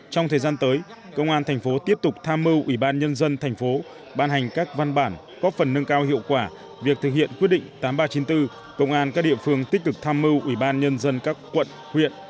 trong thời gian tới công an thành phố tiếp tục tham mưu ubnd tp ban hành các văn bản góp phần nâng cao hiệu quả việc thực hiện quyết định tám nghìn ba trăm chín mươi bốn công an các địa phương tích cực tham mưu ubnd các quận huyện